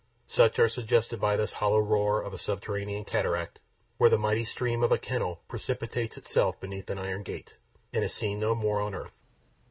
Such are suggested by this hollow roar of a subterranean cataract, where the mighty stream of a kennel precipitates itself beneath an iron grate, and is seen no more on earth.